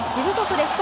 レフト